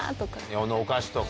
日本のお菓子とか。